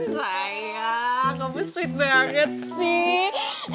sayang kamu sweet banget sih